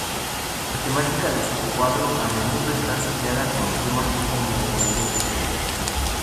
La temática de sus cuadros a menudo está asociada con temas homoeróticos.